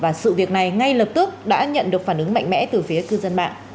và sự việc này ngay lập tức đã nhận được phản ứng mạnh mẽ từ phía cư dân mạng